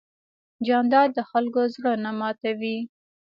جانداد د خلکو زړه نه ماتوي.